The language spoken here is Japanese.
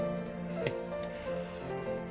はい。